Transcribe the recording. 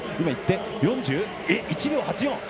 ４１秒８４！